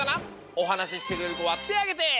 おはなししてくれるこはてあげて！